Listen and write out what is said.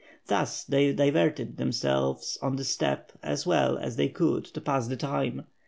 Thus they diverted themselves on the steppe as well as they could to pass the time.